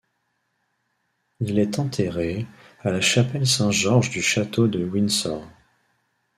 Il est enterré à la Chapelle Saint-Georges du château de Windsor.